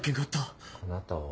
あなたは。